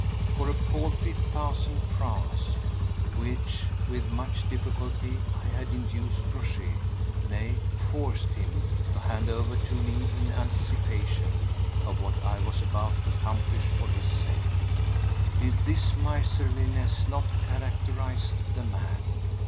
For a paltry thousand francs, which with much difficulty I had induced Rochez—nay, forced him!—to hand over to me in anticipation of what I was about to accomplish for his sake. A thousand francs! Did this miserliness not characterize the man?